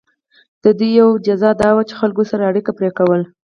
د دوی یوه جزا دا وه چې خلکو ورسره اړیکه پرې کوله.